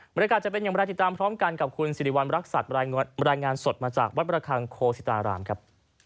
บริการจะเป็นอย่างแรกติดตามพร้อมกันกับคุณสิริวัณรักษัตริย์บรายงานบรายงานสดมาจากวัดบริการโคสิตารามครับ